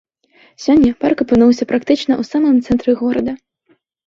Сёння парк апынуўся практычна ў самым цэнтры горада.